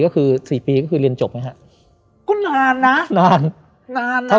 ก็คือ๔ปีก็คือเรียนจบไหมครับ